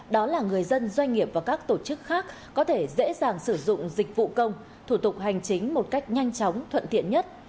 đó là người dân doanh nghiệp và các tổ chức khác có thể dễ dàng sử dụng dịch vụ công thủ tục hành chính một cách nhanh chóng thuận tiện nhất